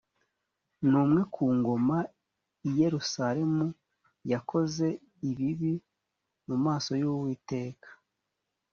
n umwe ku ngoma i yerusalemu yakoze ibibi mu maso yuwiteka